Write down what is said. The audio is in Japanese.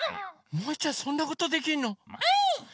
もいちゃんそんなことできんの？もい！